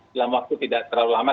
dalam waktu tidak terlalu lama